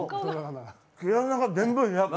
毛穴が全部開く。